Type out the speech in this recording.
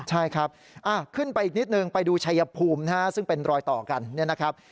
ใช่ครับขึ้นไปอีกนิดนึงไปดูชัยภูมินะฮะซึ่งเป็นรอยต่อกันเนี่ยนะครับ